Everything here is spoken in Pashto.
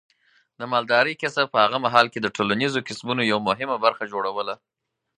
د مالدارۍ کسب په هغه مهال کې د ټولنیزو کسبونو یوه مهمه برخه جوړوله.